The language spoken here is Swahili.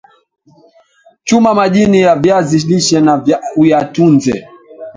chuma majani ya viazi lishe na uyatunze